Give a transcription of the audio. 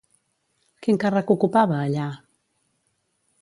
Quin càrrec ocupava allà?